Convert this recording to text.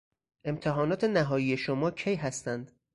امتحانات نهایی شما کی هستند؟